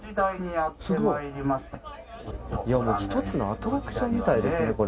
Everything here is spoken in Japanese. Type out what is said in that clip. １つのアトラクションみたいですね